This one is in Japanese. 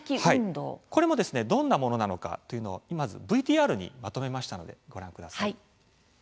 これもどんなものなのかというのをＶＴＲにまとめましたのでご覧ください。